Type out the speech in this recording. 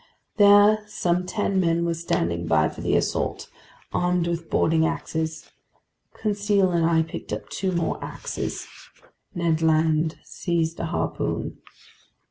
There some ten men were standing by for the assault, armed with boarding axes. Conseil and I picked up two more axes. Ned Land seized a harpoon.